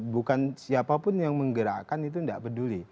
bukan siapa pun yang menggerakkan itu tidak peduli